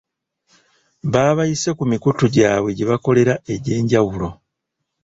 Baabayisa ku mikutu gyabwe gye bakolera egy'enjawulo.